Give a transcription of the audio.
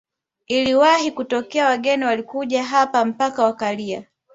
Iliwahi kutokea wageni walikuja hapa mpaka wakalia